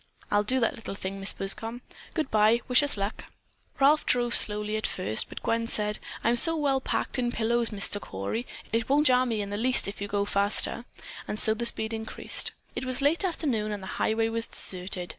"I'll do that little thing, Mrs. Buscom. Good bye. Wish us luck!" Ralph drove slowly at first, but Gwen said, "I'm so well packed in pillows, Mr. Cory, it won't jar me in the least if you go faster." And so the speed increased. It was late afternoon and the highway was deserted.